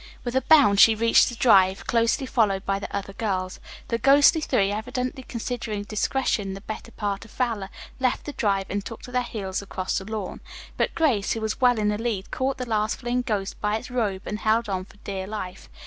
With a bound she reached the drive, closely followed by the other girls. The ghostly three evidently considering discretion the better part of valor, left the drive and took to their heels across the lawn. But Grace, who was well in the lead, caught the last fleeing ghost by its robe and held on for dear life.